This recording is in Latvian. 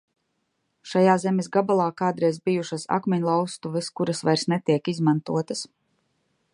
Šajā zemes gabalā kādreiz bijušas akmeņlauztuves, kuras vairs netiek izmantotas.